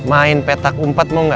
main petak umpat mau enggak